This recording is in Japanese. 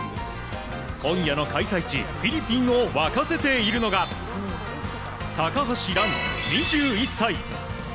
今夜の開催地フィリピンを沸かせているのが高橋藍、２１歳。